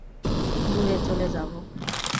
দূরে চলে যাব?